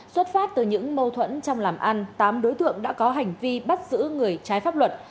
xuất phát từ những mâu thuẫn trong làm ăn tám đối tượng đã có hành vi bắt giữ người trái pháp luật